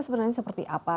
sebenarnya seperti apa